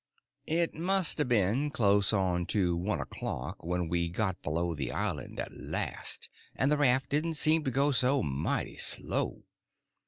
It must a been close on to one o'clock when we got below the island at last, and the raft did seem to go mighty slow.